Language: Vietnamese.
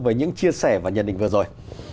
với những chia sẻ và nhận định vừa rồi